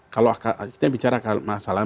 kalau kita bicara masalah